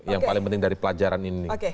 yang paling penting dari pelajaran ini